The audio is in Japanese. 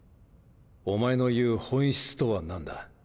お前の言う本質とは何だ？